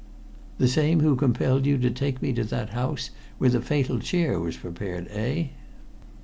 "The same who compelled you take me to that house where the fatal chair was prepared, eh?"